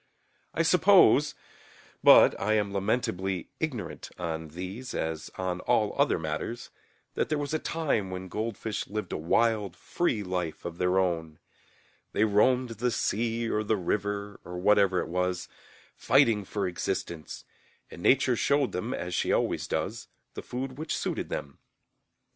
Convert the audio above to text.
I suppose (but I am lamentably ignorant on these as on all other matters) that there was a time when goldfish lived a wild free life of their own. They roamed the sea or the river, or whatever it was, fighting for existence, and Nature showed them, as she always does, the food which suited them.